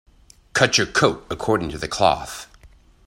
Cut your coat according to the cloth.